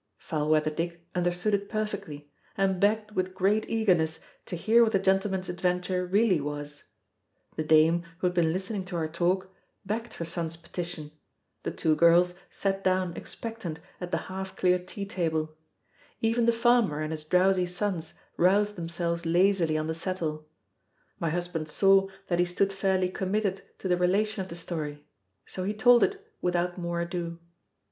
Foul weather Dick understood it perfectly, and begged with great eagerness to hear what the gentleman's adventure really was. The dame, who had been listening to our talk, backed her son's petition; the two girls sat down expectant at the half cleared tea table; even the farmer and his drowsy sons roused themselves lazily on the settle my husband saw that he stood fairly committed to the relation of the story, so he told it without more ado.